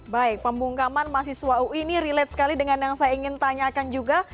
baik pembungkaman mahasiswa ui ini relate sekali dengan yang saya ingin tanyakan juga